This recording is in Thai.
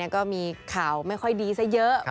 ก็มีข่าวไม่ค่อยดีซะเยอะ